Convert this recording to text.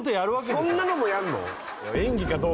そんなのもやんの？